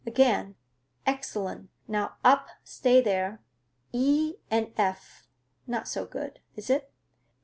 Again; excellent!—Now up,—stay there. E and F. Not so good, is it?